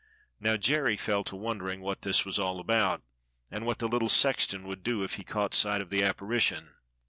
Now Jerry fell to wondering what this was all about, and what the little sexton would do if he caught sight of the apparition.